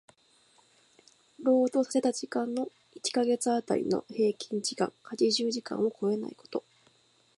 労働させた時間の一箇月当たりの平均時間八十時間を超えないこと。